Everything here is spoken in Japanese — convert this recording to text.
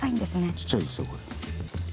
ちっちゃいですよこれ。